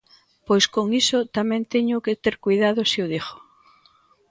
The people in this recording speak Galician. Pois con iso tamén teño que ter coidado se o digo.